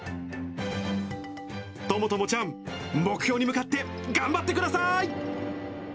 友友ちゃん、目標に向かって頑張ってください。